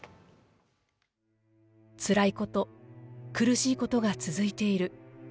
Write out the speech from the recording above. つらいこと、苦しいことが続いている。